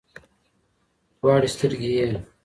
دواړي سترګي یې